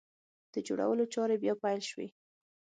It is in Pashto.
د جوړولو چارې بیا پیل شوې!